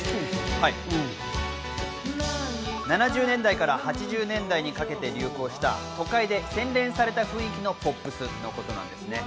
７０年代から８０年代にかけて流行した、都会で洗練された雰囲気のポップスのことです。